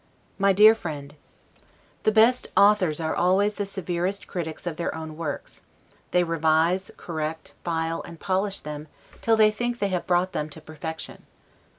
MY DEAR FRIEND: The best authors are always the severest critics of their own works; they revise, correct, file, and polish them, till they think they have brought them to perfection.